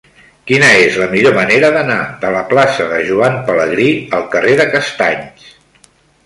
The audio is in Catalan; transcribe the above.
Quina és la millor manera d'anar de la plaça de Joan Pelegrí al carrer de Castanys?